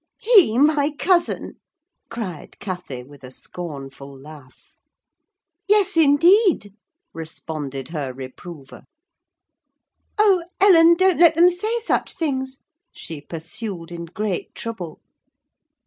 "He my cousin!" cried Cathy, with a scornful laugh. "Yes, indeed," responded her reprover. "Oh, Ellen! don't let them say such things," she pursued in great trouble.